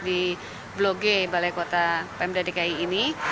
di blogue balai kota pemda dki ini